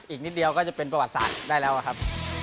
อีกนิดเดียวก็จะเป็นประวัติศาสตร์ได้แล้วครับ